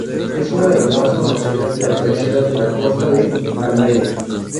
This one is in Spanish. Es una de las más conocidas y apreciadas de la costa de Almería.